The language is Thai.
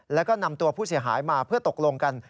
แล้วก็นำตัวผู้เสียหายมาเพื่อตกลงกัน